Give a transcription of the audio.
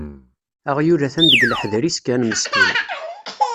Aɣyul atan deg leḥder-is kan meskin.